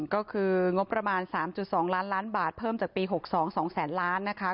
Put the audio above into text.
ก็คืองบประมาณ๓๒ล้านล้านบาทเพิ่มจากปี๖๒๒แสนล้านนะคะ